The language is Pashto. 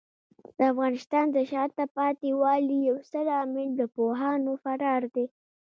د افغانستان د شاته پاتې والي یو ستر عامل د پوهانو فرار دی.